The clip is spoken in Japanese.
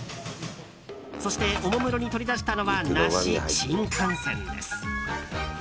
そしておもむろに取り出したのはナシ、新甘泉です。